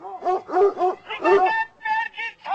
د لندن ډاکتر ما ته د ورزش په اړه ویلي وو.